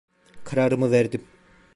Kararımı verdim.